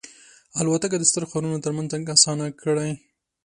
الوتکه د ستر ښارونو ترمنځ تګ آسان کړی.